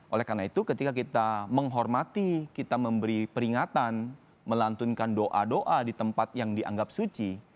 oleh karena itu ketika kita menghormati kita memberi peringatan melantunkan doa doa di tempat yang dianggap suci